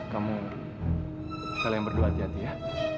kamu kalian berdua hati hati ya